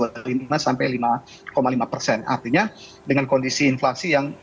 artinya dengan kondisi inflasi yang kemarin itu bisa jadi penurunan suku bunga